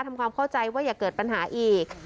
ทำความเข้าใจว่าอย่าเกิดปัญหาอีก